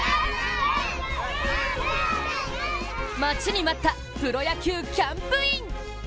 待ちに待ったプロ野球キャンプイン。